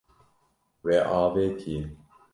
We avêtiye.